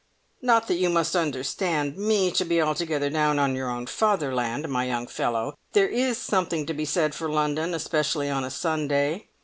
"Not that you must understand me to be altogether down on your own fatherland, my young fellow; there is something to be said for London, especially on a Sunday.